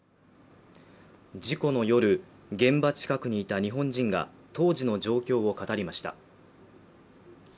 事故の夜、現場近くにいた日本人が当時の状況を語りました。